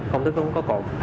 không có cồn